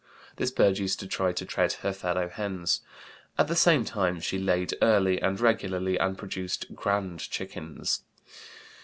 This bird used to try to tread her fellow hens. At the same time she laid early and regularly, and produced "grand chickens."